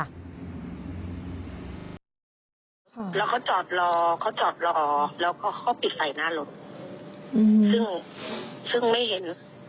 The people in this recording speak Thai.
แล้วเขาจอดรอเขาจอดรอแล้วก็เขาปิดใส่หน้ารถอืมซึ่งซึ่งไม่เห็น